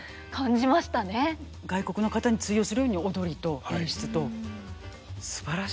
外国の方に通用するように踊りと演出とすばらしいです。